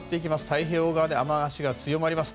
太平洋側で雨脚が強まります。